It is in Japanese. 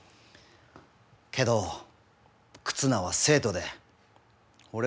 けど忽那は生徒で俺は教師だ。